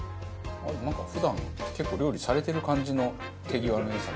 なんか普段結構料理されてる感じの手際の良さ。